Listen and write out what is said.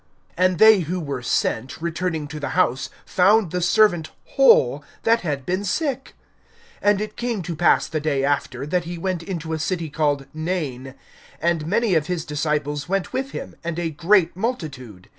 (10)And they who were sent, returning to the house, found the servant whole that had been sick. (11)And it came to pass the day after, that he went into a city called Nain; and many of his disciples went with him, and a great multitude.